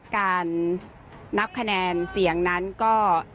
การนับคะแนนเสียงนั้นก็